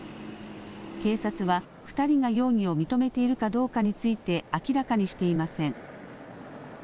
警察は２人が容疑を認めているかどうかについて明らかにしていません。